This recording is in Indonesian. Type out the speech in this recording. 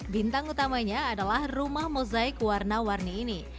bintang utamanya adalah rumah mozaik warna warni ini